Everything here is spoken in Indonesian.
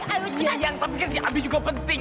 tapi si abiyang juga penting